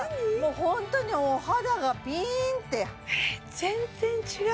ホントにお肌がピーンてええっ全然違う！